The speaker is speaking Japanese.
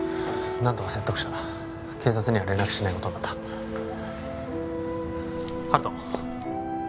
何とか説得した警察には連絡しないことになった温人